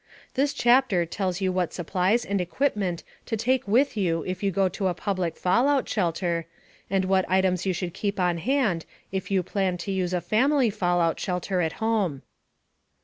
This chapter tells you what supplies and equipment to take with you if you go to a public fallout shelter, and what items you should keep on hand if you plan to use a family fallout shelter at home.